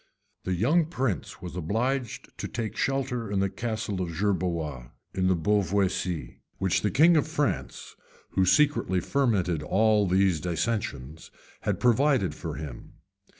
The young prince was obliged to take shelter in the castle of Gerberoy, in the Beauvoisis, which the king of France, who secretly fermented all these dissensions, had provided for him.